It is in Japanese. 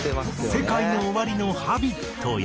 ＳＥＫＡＩＮＯＯＷＡＲＩの『Ｈａｂｉｔ』や。